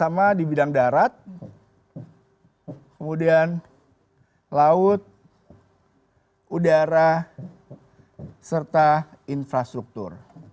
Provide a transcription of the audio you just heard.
terutama di bidang darat kemudian laut udara serta infrastruktur